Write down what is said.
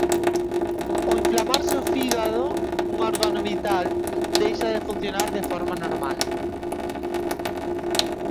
"Ao inflamarse o fígado, un órgano vital, deixa de funcionar de forma normal".